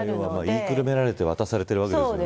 言いくるめられて渡されているわけですからね。